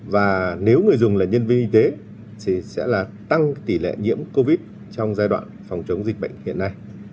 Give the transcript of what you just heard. và nếu người dùng là nhân viên y tế thì sẽ là tăng tỷ lệ nhiễm covid một mươi chín trong giai đoạn phòng chống dịch bệnh hiện nay